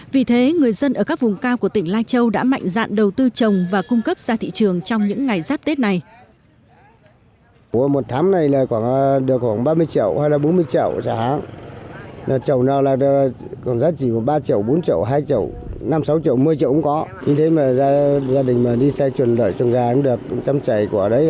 vì thế người dân ở các vùng cao của tỉnh lai châu đã mạnh dạn đầu tư trồng và cung cấp ra thị trường trong những ngày giáp tết này